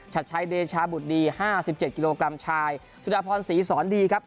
ชัดใช้เดชาบุตรดีห้าสิบเจ็ดกิโลกรัมชายสุดาพรศรีสอนดีครับ